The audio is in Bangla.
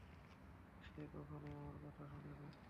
সে কখনই আমার কথা শোনেন না।